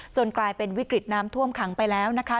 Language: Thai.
กลายเป็นวิกฤตน้ำท่วมขังไปแล้วนะคะ